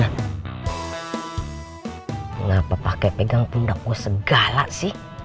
kenapa pakai pegang pundak gue segala sih